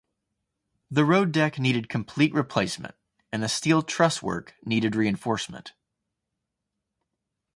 The road deck needed complete replacement, and the steel truss work needed reinforcement.